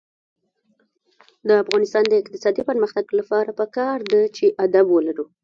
د افغانستان د اقتصادي پرمختګ لپاره پکار ده چې ادب ولرو.